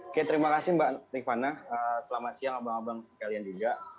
oke terima kasih mbak rifana selamat siang abang abang sekalian juga